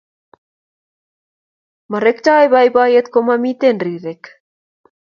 Marekotpi boiboiyet komamiten rirek